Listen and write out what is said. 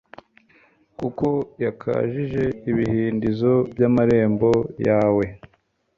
kuko yakajije ibihindizo by'amarembo yawe